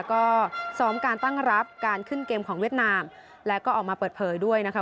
ก็ซ้อมการตั้งรับการขึ้นเกมของเวียดนามแล้วก็ออกมาเปิดเผยด้วยนะคะ